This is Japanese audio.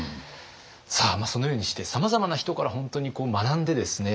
さあそのようにしてさまざまな人から本当に学んでですね